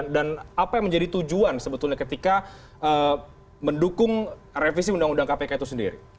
dan apa yang menjadi tujuan sebetulnya ketika mendukung revisi undang undang kpk itu sendiri